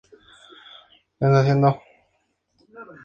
Esta situación era bastante común durante la extracción del mineral.